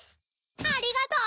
ありがとう！